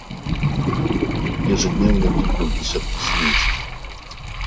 Ежедневно гибнут десятки сирийцев.